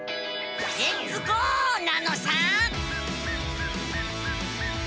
レッツゴー！なのさ。